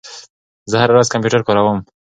زه هره ورځ کمپیوټر کاروم.